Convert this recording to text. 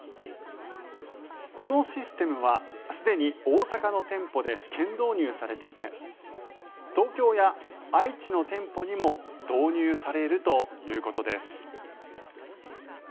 このシステムはすでに大阪の店舗で試験導入されていて東京や愛知の店舗にも導入されるということです。